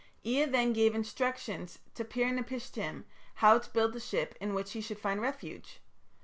_'" Ea then gave instructions to Pir napishtim how to build the ship in which he should find refuge.